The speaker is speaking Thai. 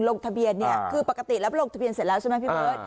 ลงทะเบียนเนี่ยคือปกติแล้วลงทะเบียนเสร็จแล้วใช่ไหมพี่เบิร์ต